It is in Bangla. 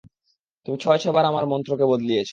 তুমি ছয়-ছয়বার আমার মন্ত্রকে বদলিয়েছ।